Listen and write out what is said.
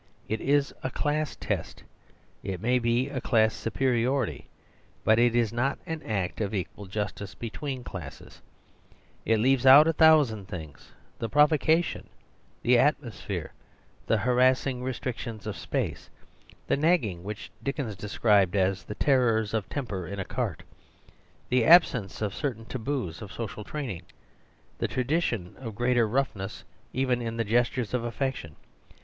It is a class test; it may be a class superiority; but it is not an act of equal justice between the classes. It leaves out a thousand things ; the provocation, the at mosphere, the harassing restrictions of space, the nagging which Dickens described as the terrors of "temper in a cart," the absence of certain taboos of social training, the tradition of greater roughness even in the gestures of af fection.